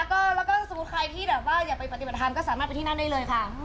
ขอบคุณมากได้รู้จักอีกมุมหนึ่ง